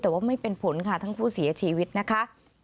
แต่ว่าไม่เป็นผลค่ะทั้งคู่เสียชีวิตนะคะ